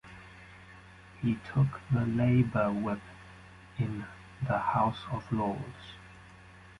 He took the Labour whip in the House of Lords.